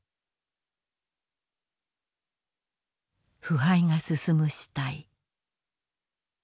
腐敗が進む死体。